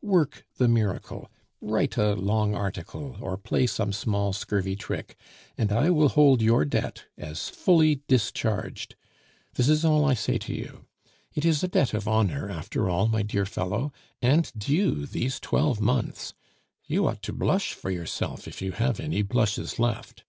Work the miracle, write a long article, or play some small scurvy trick, and I will hold your debt as fully discharged this is all I say to you. It is a debt of honor after all, my dear fellow, and due these twelve months; you ought to blush for yourself if you have any blushes left.